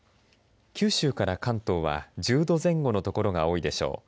九州から関東は１０度前後の所が多いでしょう。